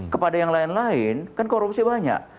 kepada yang lain lain kan korupsi banyak